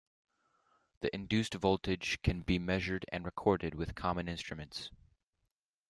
The induced voltage can be measured and recorded with common instruments.